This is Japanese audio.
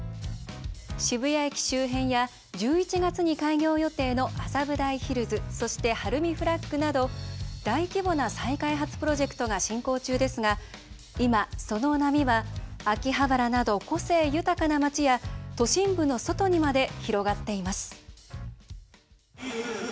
渋谷駅周辺や１１月に開業予定の麻布台ヒルズそして、晴海フラッグなど大規模な再開発プロジェクトが進行中ですが今、その波は秋葉原など個性豊かな街や都心部の外にまで広がっています。